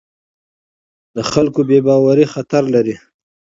د خلکو بې باوري خطر لري